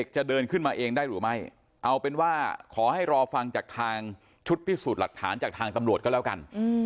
จะเดินขึ้นมาเองได้หรือไม่เอาเป็นว่าขอให้รอฟังจากทางชุดพิสูจน์หลักฐานจากทางตำรวจก็แล้วกัน